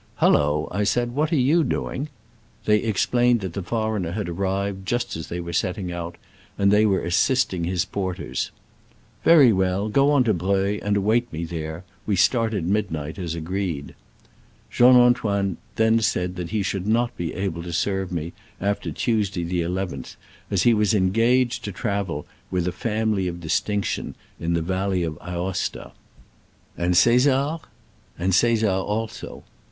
*' Hullo !'* I said, "what are you doing?" They ex plained that the foreigner had arrived just as they were setting out, and that they were assisting his porters. *' Very well : go on to Breuil, and await me there — ^we start at midnight, as agreed." Jean Antoine then said that he should not be able to serve me after Tuesday, the i ith, as he was engaged to travel "with a family of distinction" in the valley of Aosta. "And Csesar?" "And Caesar also."